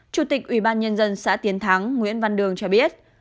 chủ tịch ubnd xã tiến thắng nguyễn văn đường cho biết